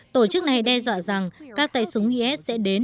tổ chức này đe dọa rằng các tay súng is sẽ đến